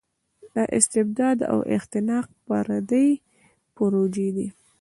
استبداد او اختناق پردۍ پروژې دي.